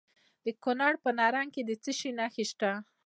د کونړ په نرنګ کې د څه شي نښې دي؟